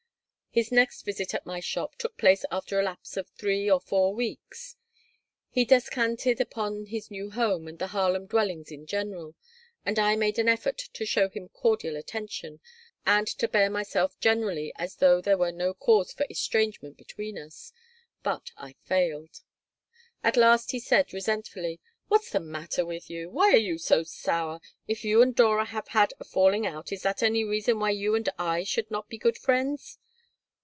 His next visit at my shop took place after a lapse of three or four weeks. He descanted upon his new home and the Harlem dwellings in general, and I made an effort to show him cordial attention and to bear myself generally as though there were no cause for estrangement between us, but I failed At last he said, resentfully: "What's the matter with you? Why are you so sour? If you and Dora have had a falling out, is that any reason why you and I should not be good friends?"